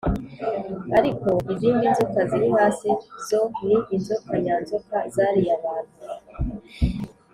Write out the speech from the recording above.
Ariko izindi nzoka ziri hasi zo ni inzoka nyanzoka zariye abantu